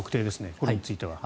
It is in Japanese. これについては。